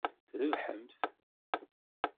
Trebḥemt!